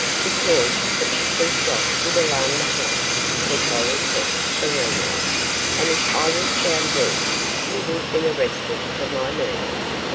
'Because the pistol shot would alarm the house,' said Gollipeck, serenely, 'and if I was found dead, you would be arrested for my murder.